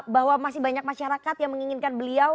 bahwa masih banyak masyarakat yang menginginkan beliau